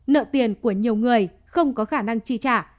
nợ tiền của nhiều người không có khả năng chi trả